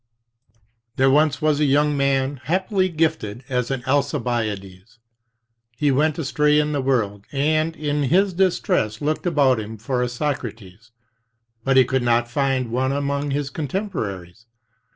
"There once was a young man, happily gifted as an Alcibiades. He went astray in the world, and in his distress looked about him for a Socrates; but he could not find one among his contemporaries.